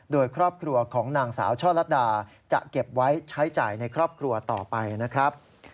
โดยครอบครัวของนางสาวช่อลัดดาจะเก็บไว้ใช้จ่ายในครอบครัวต่อไปนะครับ